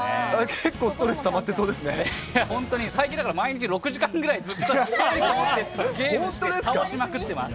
結構ストレスたまってそうで本当に、最近だから毎日、６時間ぐらいずっとやって、ゲームして、倒しまくってます。